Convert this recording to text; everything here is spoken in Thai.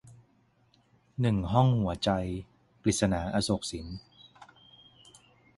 หนึ่งห้องหัวใจ - กฤษณา อโศกสิน